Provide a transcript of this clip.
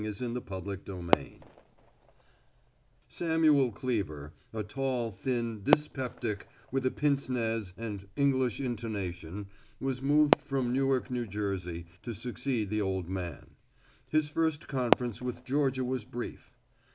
XXIV THE NEW KING Samuel Cleever, a tall, thin dyspeptic with a pince nez and English intonation, was moved from Newark, N.J., to succeed the old man. His first conference with Georgia was brief.